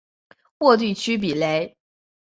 沃地区比雷。